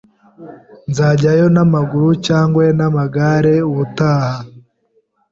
Nzajyayo n'amaguru cyangwa n'amagare ubutaha.